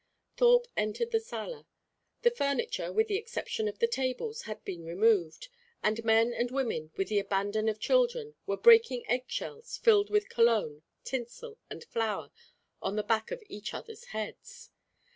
Thorpe entered the sala. The furniture, with the exception of the tables, had been removed; and men and women, with the abandon of children, were breaking eggshells, filled with cologne, tinsel, and flour, on the back of each other's heads.